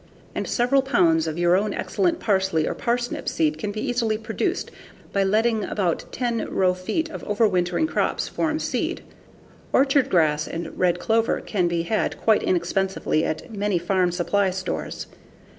And several pounds of your own excellent parsley or parsnip seed can be easily produced by letting about 10 row feet of overwintering roots form seed. Orchard grass and red clover can be had quite inexpensively at many farm supply stores.